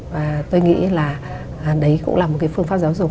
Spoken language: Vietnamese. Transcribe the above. và tôi nghĩ là đấy cũng là một cái phương pháp giáo dục